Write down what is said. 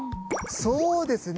そうですね。